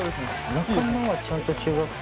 仲間はちゃんと中学生だな。